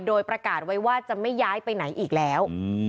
โดยประกาศไว้ว่าจะไม่ย้ายไปไหนอีกแล้ว